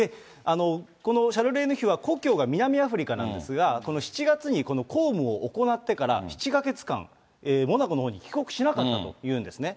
このシャルレーヌ妃が故郷が南アフリカなんですが、７月にこの公務を行ってから、７か月間モナコのほうに帰国しなかったというんですね。